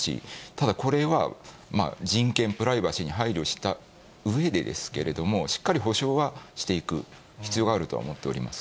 ただ、これは人権、プライバシーに配慮したうえでですけれども、しっかり補償はしていく必要があるとは思っています。